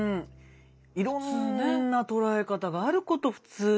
いろんな捉え方があること普通にも。